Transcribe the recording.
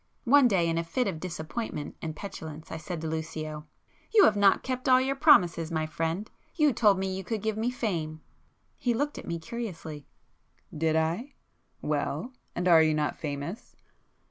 One day in a fit of disappointment and petulance I said to Lucio— "You have not kept all your promises, my friend!—you told me you could give me fame!" He looked at me curiously. "Did I? Well,—and are you not famous?"